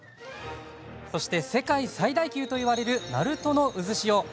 そして世界最大級といわれる鳴門の渦潮。